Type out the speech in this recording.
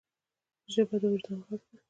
ژبه د وجدان ږغ ده.